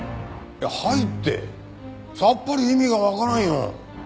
はいってさっぱり意味がわからんよ。